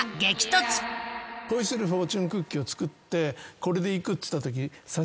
『恋するフォーチュンクッキー』を作ってこれでいくっつったとき。